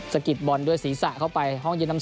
กิดบอลด้วยศีรษะเข้าไปห้องเย็นน้ำ๒